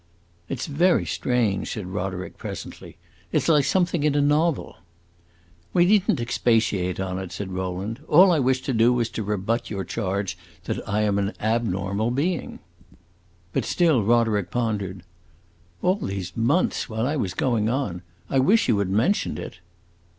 "It 's very strange!" said Roderick, presently. "It 's like something in a novel." "We need n't expatiate on it," said Rowland. "All I wished to do was to rebut your charge that I am an abnormal being." But still Roderick pondered. "All these months, while I was going on! I wish you had mentioned it."